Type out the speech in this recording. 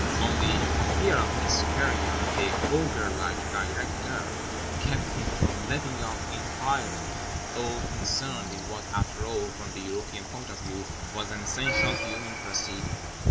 Only fear of his superior, the ogre like Directeur, kept him from letting off entirely all concerned in what after all (from the European point of view) was an essentially human proceeding.